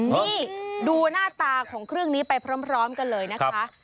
นี่ดูหน้าตาของเครื่องนี้ไปพร้อมกันเลยนะคะ